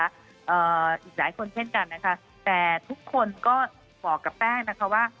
อีกหลายคนเช่นกันนะคะแต่ทุกคนก็บอกกับแป้งนะคะว่า